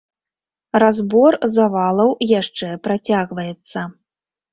Разбор завалаў яшчэ працягваецца.